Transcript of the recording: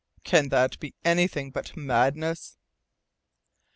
Can that be anything but madness?"